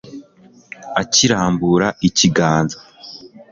akirambura ikiganza